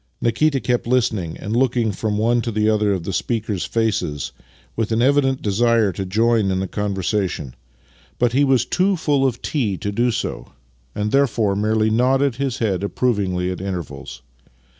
" Nikita kept listening and looking from one to the other of the speakers' faces with an evident desire to join in the conversation, but he was too full of tea to ' The village headman. Master and Man 29 do so, and therefore merely nodded his head approv ingly at intervals.